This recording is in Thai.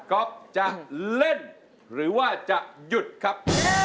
ก๊อฟจะเล่นหรือว่าจะหยุดครับ